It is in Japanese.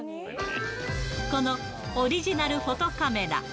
このオリジナルフォトカメラ。